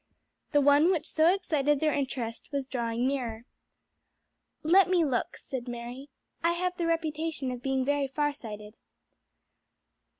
The one which so excited their interest was drawing nearer. "Let me look," said Mary. "I have the reputation of being very far sighted."